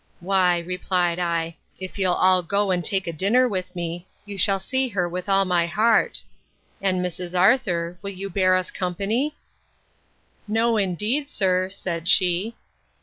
Why, replied I, if you'll all go and take a dinner with me, you shall see her with all my heart. And, Mrs. Arthur, will you bear us company? No, indeed, sir, said she.